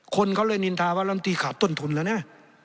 คนเขาเลยนินทาว่าลำตีขาดต้นทุนแล้วนะ